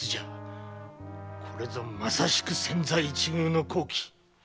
これぞまさしく千載一遇の好機。